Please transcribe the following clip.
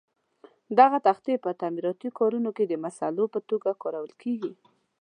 دغه تختې په تعمیراتي کارونو کې د مسالو په توګه کارول کېږي.